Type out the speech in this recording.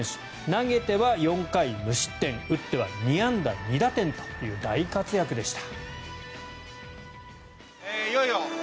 投げては４回無失点打っては２安打２打点という大活躍でした。